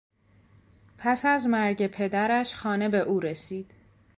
پس از مرگ پدرش خانه به او رسید.